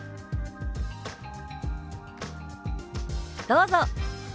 どうぞ。